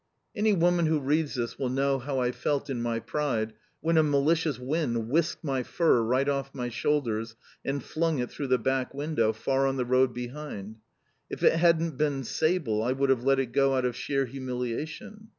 Any woman who reads this will know how I felt in my pride when a malicious wind whisked my fur right off my shoulders, and flung it through the back window, far on the road behind. If it hadn't been sable I would have let it go out of sheer humiliation.